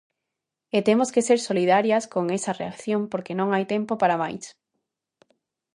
E temos que ser solidarias con esa reacción porque non hai tempo para máis.